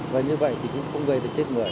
và như vậy thì cũng gây được chết người